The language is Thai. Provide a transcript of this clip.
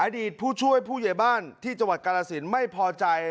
ผู้ช่วยผู้ใหญ่บ้านที่จังหวัดกาลสินไม่พอใจ